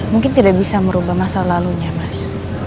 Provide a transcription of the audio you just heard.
mungkin tidak bisa merubah masa lalunya mas